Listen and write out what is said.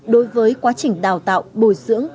đối với quá trình đào tạo bồi dưỡng